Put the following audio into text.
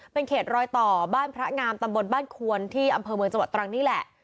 เป็นเขตรอยต่อบ้านพระงามตำบลบ้านควนที่อำเภอเมืองจังหวัดตรังนี่แหละ